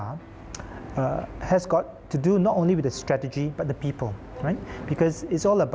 เราต้องส่งความรักษา